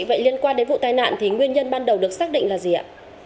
vậy liên quan đến vụ tai nạn thì nguyên nhân ban đầu được xác định là gì ạ